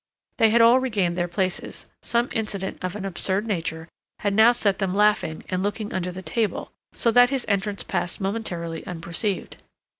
They had all regained their places; some incident of an absurd nature had now set them laughing and looking under the table, so that his entrance passed momentarily unperceived.